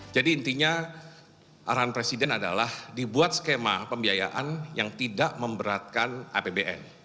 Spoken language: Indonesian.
jadi intinya arahan presiden adalah dibuat skema pembiayaan yang tidak memberatkan apbn